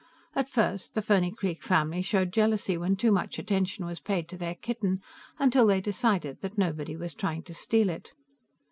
At first, the Ferny Creek family showed jealousy when too much attention was paid to their kitten, until they decided that nobody was trying to steal it.